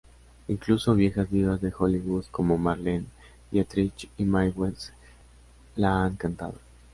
Incluso viejas divas de Hollywood como Marlene Dietrich y Mae West la han cantado.